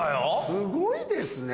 すごいですね。